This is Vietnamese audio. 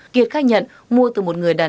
kiệt khai nhận mua từ một người đàn ông